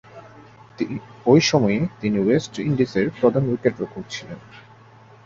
ঐ সময়ে তিনি ওয়েস্ট ইন্ডিজের প্রধান উইকেট-রক্ষক ছিলেন।